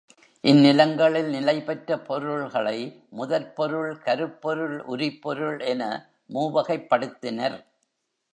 இந்நிலங்களில் நிலைபெற்ற பொருள்களை முதற்பொருள், கருப்பொருள், உரிப்பொருள் என மூவகைப் படுத்தினர்.